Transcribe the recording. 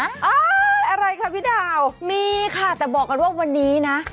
อะไรคะพี่ดาวมีค่ะแต่บอกกันว่าวันนี้นะ